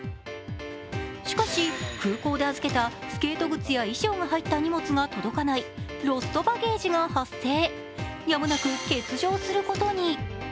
しかし、空港で預けたスケート靴や衣装が入った荷物が届かないロストバゲージが発生、やむなく欠場することに。